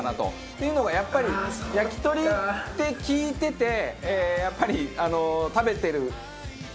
っていうのもやっぱり焼き鳥って聞いててやっぱり食べてる割には。